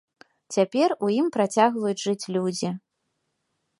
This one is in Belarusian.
Цяпер у ім працягваюць жыць людзі.